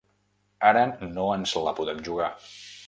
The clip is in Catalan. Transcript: Ara no ens la podem jugar.